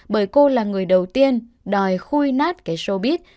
bởi cô là người đầu tiên đòi khui nát cái shobit